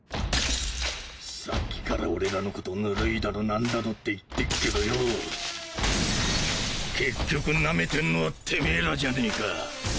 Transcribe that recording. さっきから俺らのことぬるいだのなんだのって言ってっけどよぉ結局ナメてんのはテメエらじゃねえか。